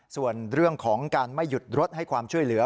ส่วนเรื่องของการไม่หยุดรถให้ความช่วยเหลือ